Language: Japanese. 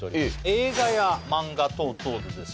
映画や漫画等々でですね